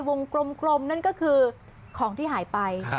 วงกลมนั่นก็คือของที่หายไป